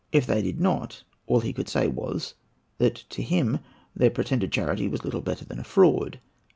If they did not, all he could say was, that to him their pretended charity was little better than a fraud.